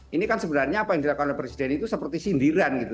ini kan sebenarnya apa yang dilakukan oleh presiden itu seperti sindiran gitu